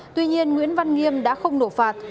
tuy nhiên nguyễn văn nghiêm đã không nổ phạt